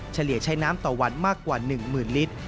เฉลี่ยใช้น้ำต่อวันมากกว่า๑๐๐๐ลิตร